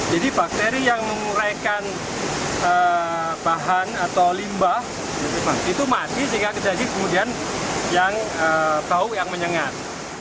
jadi bakteri yang menguraikan bahan atau limbah itu mati jika kejadian bau yang menyengat